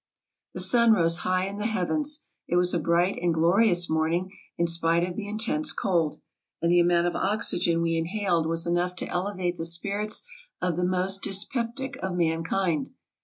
The sun rose high in the heavens. It was a bright and glorious morning in spite of the intense cold, and the amount of oxygen we inhaled was enough to elevate the spirits of the most dyspeptic of mankind.